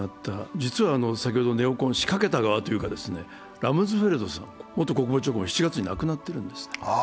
実はネオコン仕掛けた側というか、ラムズフェルドさんが元国防長官も７月に亡くなってるんです。